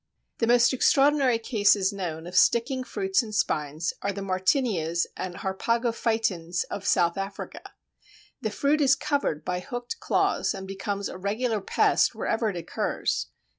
The most extraordinary cases known of sticking fruits and spines are the Martynias and Harpagophytons of South Africa. The fruit is covered by hooked claws, and becomes a regular pest wherever it occurs.